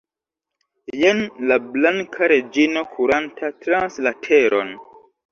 Jen la Blanka Reĝino kuranta trans la teron!